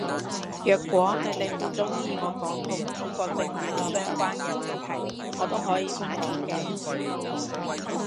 若果你哋唔鍾意我講同中國政府相關嘅話題我都可以唔講嘅